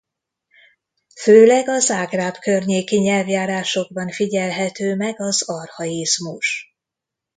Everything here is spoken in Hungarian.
Főleg a Zágráb környéki nyelvjárásokban figyelhető meg az archaizmus.